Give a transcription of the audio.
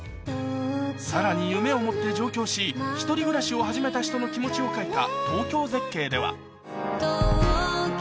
さらに夢を持って上京し１人暮らしを始めた人の気持ちを書いた